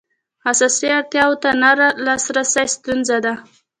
اساسي اړتیاوو ته نه لاسرسی ستونزه ده.